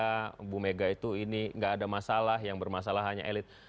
ibu mega itu ini gak ada masalah yang bermasalah hanya elit